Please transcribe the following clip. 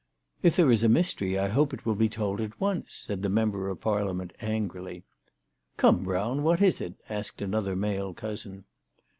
" If there is a mystery I hope it will be told at once," said the member of Parliament, angrily. " Come, Brown, what is it ?" asked another male cousin.